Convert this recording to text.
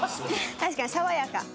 確かに爽やか。